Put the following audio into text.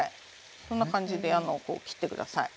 こんな感じでこう切って下さい。